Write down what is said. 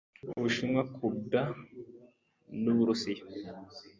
Ubushinwa, Cuba n'Uburusiya